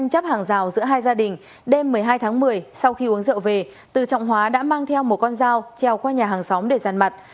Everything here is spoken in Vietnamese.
chấp hàng rào giữa hai gia đình đêm một mươi hai tháng một mươi sau khi uống rượu về từ trọng hóa đã mang theo một con dao treo qua nhà hàng xóm để giàn mặt